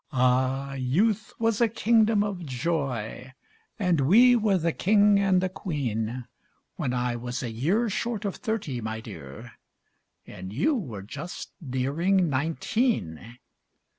Ah, youth was a kingdom of joy, And we were the king and the queen, When I was a year Short of thirty, my dear, And you were just nearing nineteen.